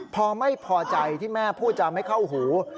พอไม่พอใจที่แม่พูดจะไม่เข้าหู